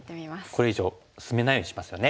これ以上進めないようにしますよね。